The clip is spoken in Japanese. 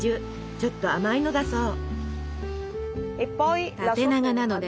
ちょっと甘いのだそう。